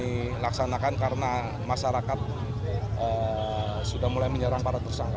dilaksanakan karena masyarakat sudah mulai menyerang para tersangka